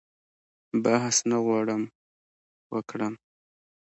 بحث نه غواړم وکړم.